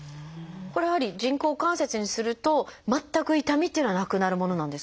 これやはり人工関節にすると全く痛みっていうのはなくなるものなんですか？